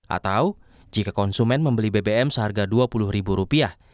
atau jika konsumen membeli bbm seharga dua puluh ribu rupiah